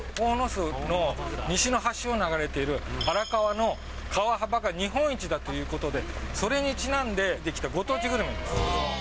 鴻巣の西の端を流れている荒川の川幅が日本一だということで、それにちなんで出来たご当地グルメです。